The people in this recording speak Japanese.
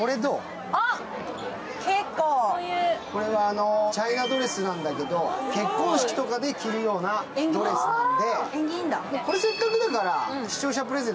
これはチャイナドレスなんだけど結婚式で着るようなドレスなんで。